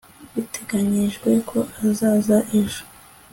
biteganyirijwe ko azaza ejo